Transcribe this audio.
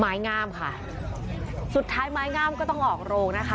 ไม้งามค่ะสุดท้ายไม้งามก็ต้องออกโรงนะคะ